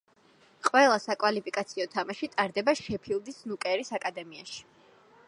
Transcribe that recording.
ყველა საკვალიფიკაციო თამაში ტარდება შეფილდის სნუკერის აკადემიაში.